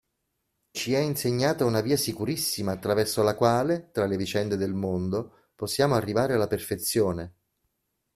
Ci è insegnata una via sicurissima attraverso la quale, tra le vicende del mondo, possiamo arrivare alla perfezione.